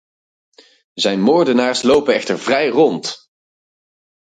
Zijn moordenaars lopen echter vrij rond.